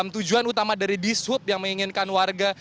tujuan utama dari dishub yang menginginkan warga